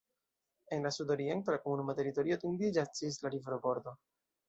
En sudoriento la komunuma teritorio etendiĝas ĝis la riverbordo.